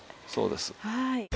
そうです。